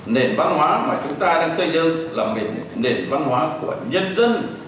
nền văn hóa mà chúng ta đang xây đơn là một nền văn hóa của nhân dân